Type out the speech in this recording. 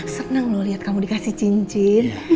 senang loh lihat kamu dikasih cincin